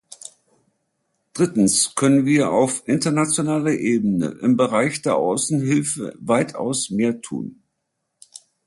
Drittens können wir auf internationaler Ebene im Bereich der Außenhilfe weitaus mehr tun.